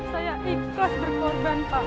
saya ikhlas berkorban pak